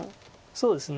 そうですね。